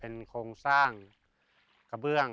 เป็นโครงสร้างกระเบื้อง